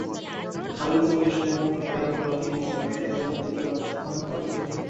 আরও কিছু বৈশিষ্ট্য যেমন—পায়ের গোড়ালির জয়েন্ট ফুলে যাওয়া, তীব্র ব্যথা হওয়া ইত্যাদি।